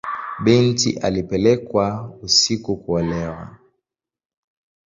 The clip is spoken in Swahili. Binti alipelekwa usiku kuolewa.